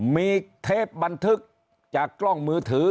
มีเทปบันทึกจากกล้องมือถือ